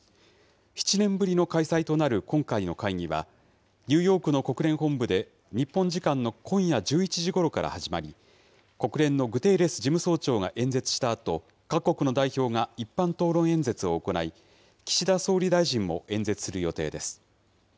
７年ぶりの開催となる今回の会議は、ニューヨークの国連本部で、日本時間の今夜１１時ごろから始まり、国連のグテーレス事務総長が演説したあと、各国の代表が一般討論演説を行い、岸田総理大臣も演説する予定です。